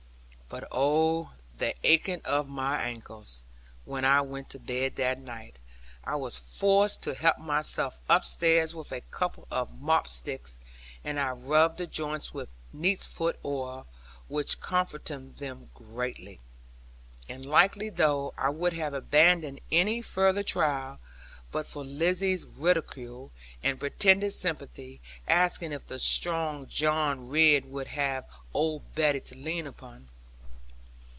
But oh, the aching of my ankles, when I went to bed that night; I was forced to help myself upstairs with a couple of mopsticks! and I rubbed the joints with neatsfoot oil, which comforted them greatly. And likely enough I would have abandoned any further trial, but for Lizzie's ridicule, and pretended sympathy; asking if the strong John Ridd would have old Betty to lean upon.